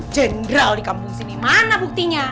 jenderal di kampung sini mana buktinya